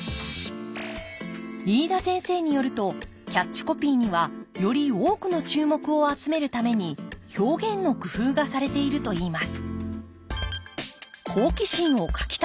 飯田先生によるとキャッチコピーにはより多くの注目を集めるために「表現の工夫」がされているといいます